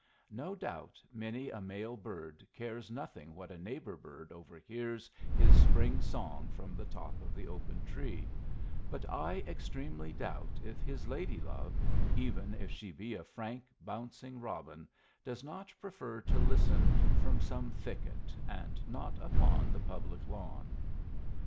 No doubt many a male bird cares nothing what neighbor bird overhears his spring song from the top of the open tree, but I extremely doubt if his lady love, even if she be a frank, bouncing robin, does not prefer to listen from some thicket, and not upon the public lawn.